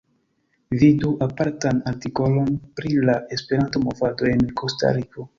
Vidu apartan artikolon pri la Esperanto-movado en Kostariko.